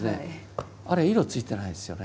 あれ色ついてないですよね。